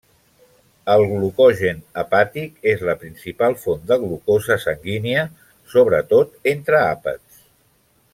El glucogen hepàtic és la principal font de glucosa sanguínia, sobretot entre àpats.